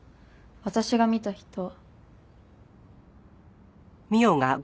私が見た人は。